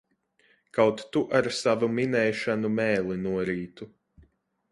Kaut tu ar savu minēšanu mēli norītu!